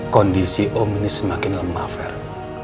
kondisi om ini semakin lemah fair